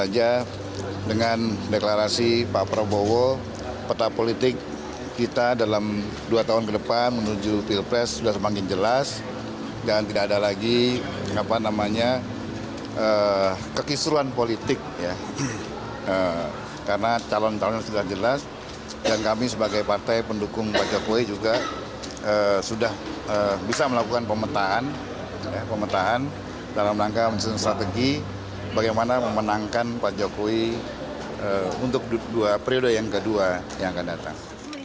calon calon sudah jelas dan kami sebagai partai pendukung pak jokowi juga sudah bisa melakukan pemetaan dalam langkah menyusun strategi bagaimana memenangkan pak jokowi untuk periode yang kedua yang akan datang